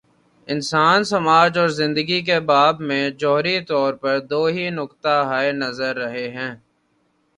انسان، سماج اور زندگی کے باب میں، جوہری طور پر دو ہی نقطہ ہائے نظر رہے ہیں۔